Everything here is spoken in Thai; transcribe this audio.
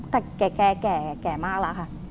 แต่แก่มากแล้วค่ะ